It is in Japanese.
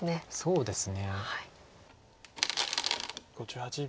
そうですね。